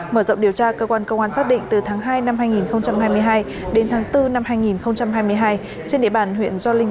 mở rộng điều tra cơ quan công an xác định từ tháng hai năm hai nghìn hai mươi hai đến tháng bốn năm hai nghìn hai mươi hai trên địa bàn huyện gio linh